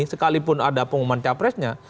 sekalipun ada pengumuman capresnya